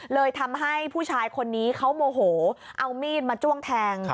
เลยทำให้ผู้ชายคนนี้เขาโมโหเอามีดมาจ้วงแทง